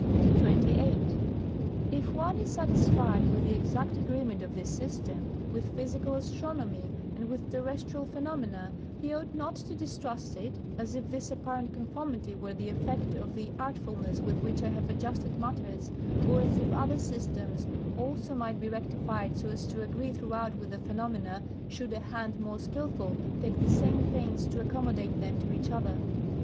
XXVIII. If one is satisfied with the exact agreement of this system with physical astronomy and with terrestrial phenomena, he ought not to distrust it, as if this apparent conformity were the effect of the artful ness with which I have adjusted matters or as if other systems also might be rectified so as to agree throughout with the phenomena should a hand more skillful take the same pains to accommodate them to each other.